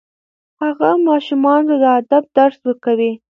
هغه ماشومانو ته د ادب درس ورکوي.